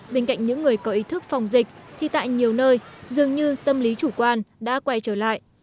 bên cạnh những người có ý thức phòng dịch thì tại nhiều nơi dường như tâm lý chủ quan đã quay trở lại